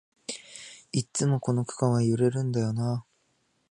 いっつもこの区間は揺れるんだよなあ